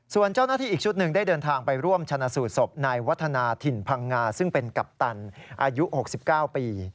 ส่วนเจ้าหน้าที่อีกชุดหนึ่งได้เดินทางไปร่วมชนะสูตรศพนายวัฒนาถิ่นพังงาซึ่งเป็นกัปตันอายุ๖๙ปี